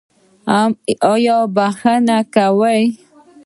ایا بخښنه کوئ؟